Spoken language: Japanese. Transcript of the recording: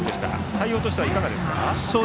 対応としてはいかがですか？